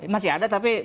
masih ada tapi